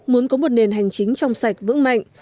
muốn có một nền hành chính trong sạch vững mạnh